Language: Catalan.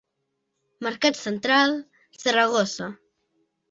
Mercat Central, Saragossa.